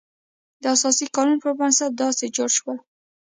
د اساسي قانون پر بنسټ داسې جوړ شول.